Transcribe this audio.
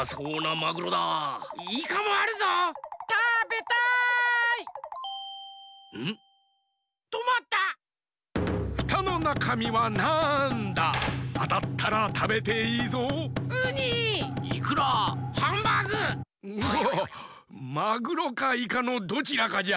マグロかイカのどちらかじゃ。